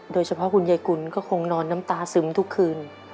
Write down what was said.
โดยเฉพาะคุณยายกุลก็คงนอนน้ำตาซึมทุกคืน